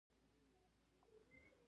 منشور سپینه رڼا په رنګونو ویشي.